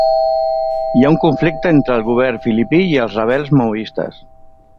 Hi ha un conflicte entre el govern filipí i els rebels maoistes